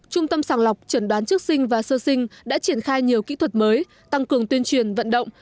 trung tâm sàng lọc trần đoán trước sinh và sơ sinh đã triển khai nhiều kỹ thuật mới tăng cường tuyên truyền vận động